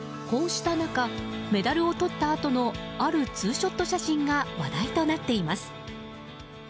こうした中メダルをとったあとのあるツーショット写真が話題となっています。